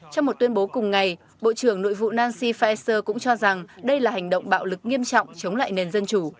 trong một tuyên bố cùng ngày bộ trưởng nội vụ nancy faeser cũng cho rằng đây là hành động bạo lực nghiêm trọng chống lại nền dân chủ